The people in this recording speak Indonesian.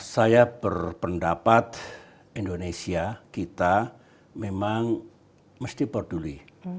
saya berpendapat indonesia kita memang mesti peduli